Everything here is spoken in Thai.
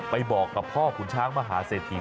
ไปบอกกับพ่อผู้ช้างมหาเสธี